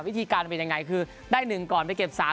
วิธีการเป็นยังไงคือได้หนึ่งก่อนไปเก็บสาม